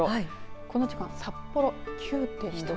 この時間、札幌９．６度。